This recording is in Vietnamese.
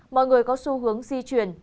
mọi người có xu hướng di chuyển